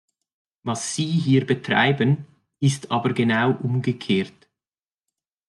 Was Sie hier betreiben, ist aber genau umgekehrt.